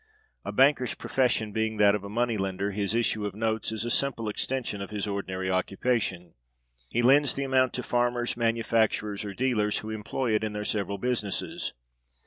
A banker's profession being that of a money lender, his issue of notes is a simple extension of his ordinary occupation. He lends the amount to farmers, manufacturers, or dealers, who employ it in their several businesses.